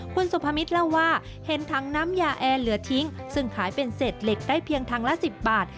คุณสุพมิตรเล่าว่าเห็นถังน้ำยาแอร์เหลือทิ้งซึ่งขายเป็นเศษเหล็กได้เพียงถังละ๑๐บาท